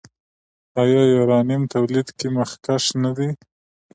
آیا د یورانیم تولید کې مخکښ نه دی؟